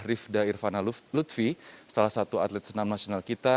rifda irvana lutfi salah satu atlet senam nasional kita